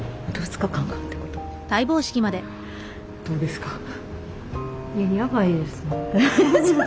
どうですか？